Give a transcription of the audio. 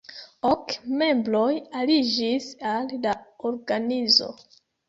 Ok membroj aliĝis al la organizo.